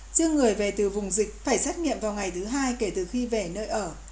chưa người về từ vùng dịch phải xét nghiệm vào ngày thứ hai kể từ khi về nơi ở